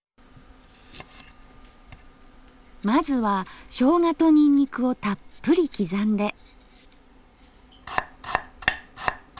まずはしょうがとニンニクをたっぷり刻んで。